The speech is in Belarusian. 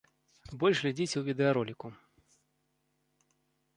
Больш глядзіце ў відэароліку.